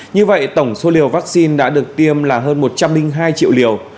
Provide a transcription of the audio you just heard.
như vậy tổng số liều vaccine đã được tiêm là hơn một trăm linh hai triệu liều